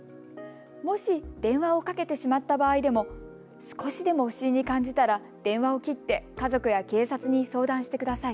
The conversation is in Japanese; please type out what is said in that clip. もし電話をかけてしまった場合でも少しでも不審に感じたら電話を切って家族や警察に相談してください。